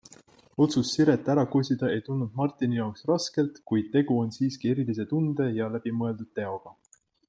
Otsus Siret ära kosida ei tulnud Martini jaoks raskelt, kuid tegu on siiski erilise tunde ja läbimõeldud teoga.